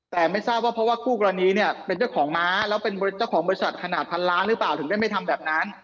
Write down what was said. แต่ไม่ทราบว่าเพราะว่าคู่กรณีเนี่ยเป็นเจ้าของม้าแล้วเป็นเจ้าของบริษัทขนาดพันล้านหรือเปล่าถึงได้ไม่ทำแบบนั้น